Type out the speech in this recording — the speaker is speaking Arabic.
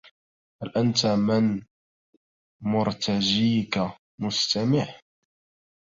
هل أنت من مرتجيك مستمع